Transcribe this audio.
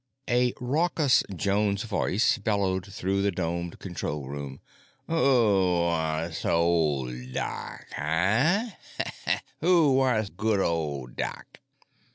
A raucous Jones voice bellowed through the domed control room: "Who wansh ol' doc, hargh? Who wansh goo' ol' doc?"